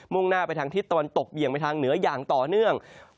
่งหน้าไปทางทิศตะวันตกเบี่ยงไปทางเหนืออย่างต่อเนื่อง